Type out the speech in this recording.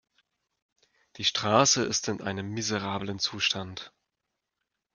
Die Straße ist in einem miserablen Zustand.